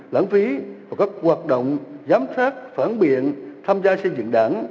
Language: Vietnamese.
lãng phí và các hoạt động giám sát phản biện tham gia xây dựng đảng